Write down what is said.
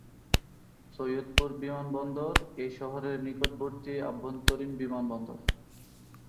সৈয়দপুর বিমানবন্দর এ শহরের নিকটবর্তী আভ্যন্তরীণ বিমানবন্দর।